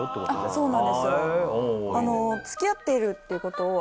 そうなんですよ。